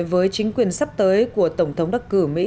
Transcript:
với chính quyền sắp tới của tổng thống đắc cử mỹ